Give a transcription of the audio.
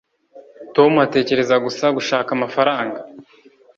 tom atekereza gusa gushaka amafaranga